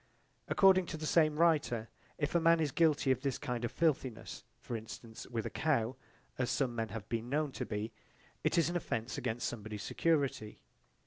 According to the same writer, if a man is guilty of this kind of filthiness, for instance, with a cow, as some men have been known to be, it is an offence against somebody's security.